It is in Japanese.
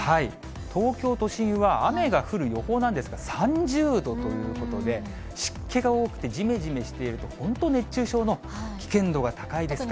東京都心は雨が降る予報なんですが、３０度ということで、湿気が多くて、じめじめしていると、本当、熱中症の危険度が高いですから。